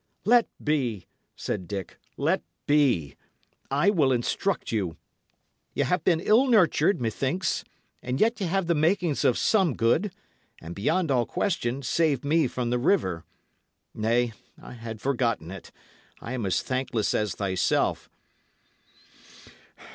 "Let be," said Dick "let be. I will instruct you. Y' 'ave been ill nurtured, methinks, and yet ye have the makings of some good, and, beyond all question, saved me from the river. Nay, I had forgotten it; I am as thankless as thyself.